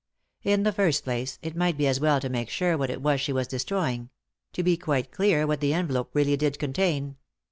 In the first place, it might be as well to make sure what it was she was destroying ; to be quite clear what the envelope really did contain.